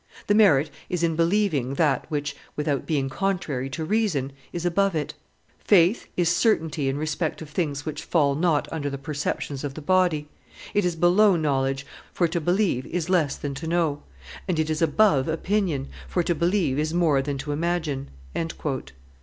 The merit is in believing that which, without being contrary to reason, is above it. ... Faith is certainty in respect of things which fall not under the perceptions of the body; it is below knowledge, for to believe is less than to know; and it is above opinion, for to believe is more than to imagine."